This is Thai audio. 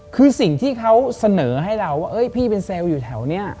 คือสิ่งที่เขาเสนอให้เราว่าพี่เป็นเซลล์อยู่แถวนี้